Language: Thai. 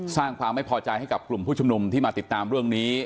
สร้างความไม่พอใจให้กับกลุ่มผู้ชุมนุมที่มาติดตามเรื่องนี้